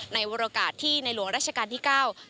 ในโอกาสที่นายหลวงรัชกาลที่๙